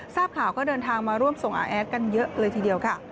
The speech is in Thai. ทราบข่าวก็เดินทางมาร่วมส่งอาแอดกันเยอะเลยทีเดียวค่ะ